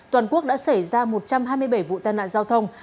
toàn quốc đã xảy ra một trăm hai mươi bảy vụ tai nạn giao thông